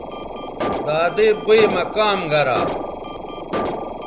دادئ بئ مہ کام گرا